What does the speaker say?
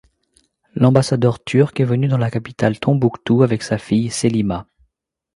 L'ambassadeur turc est venu dans la capitale Tombouctou avec sa fille, Sélima.